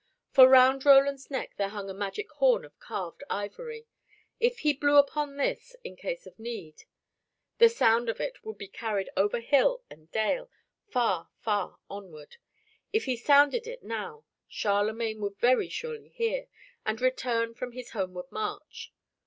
For round Roland's neck there hung a magic horn of carved ivory. If he blew upon this in case of need, the sound of it would be carried over hill and dale, far, far onward. If he sounded it now, Charlemagne would very surely hear, and return from his homeward march.